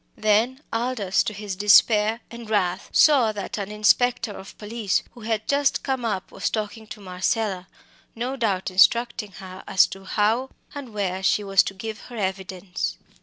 Then Aldous, to his despair and wrath, saw that an inspector of police, who had just come up, was talking to Marcella, no doubt instructing her as to how and where she was to give her evidence.